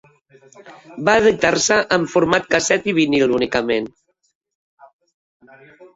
Va editar-se en format casset i vinil únicament.